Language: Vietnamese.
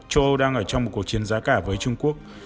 châu âu đang ở trong một cuộc chiến giá cả với trung quốc